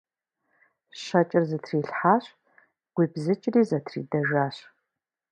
Щэкӏыр зэтрилъхьэщ, гуибзыкӏри зэтридэжащ.